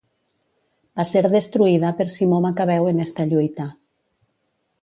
Va ser destruïda per Simó Macabeu en esta lluita.